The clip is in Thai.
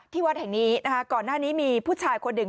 วัดแห่งนี้นะคะก่อนหน้านี้มีผู้ชายคนหนึ่ง